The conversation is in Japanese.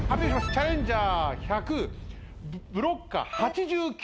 チャレンジャー１００ブロッカー８９。